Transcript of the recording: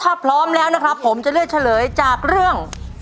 ถ้าพร้อมแล้วนะครับผมจะเลือกเฉลยจากเรื่อง